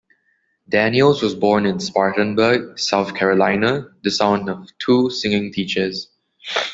Daniels was born in Spartanburg, South Carolina, the son of two singing teachers.